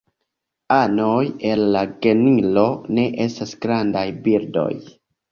Anoj el la genro ne estas grandaj birdoj.